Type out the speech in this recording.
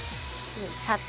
砂糖。